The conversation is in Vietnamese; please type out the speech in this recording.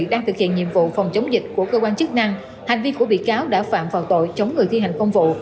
đang thực hiện nhiệm vụ phòng chống dịch của cơ quan chức năng hành vi của bị cáo đã phạm vào tội chống người thi hành công vụ